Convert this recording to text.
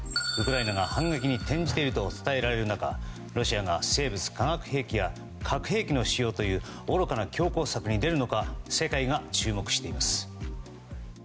ウクライナが反撃に転じていると伝えられる中ロシアが生物・化学兵器や核兵器の使用という愚かな強硬策に出るのか世界が注目しています。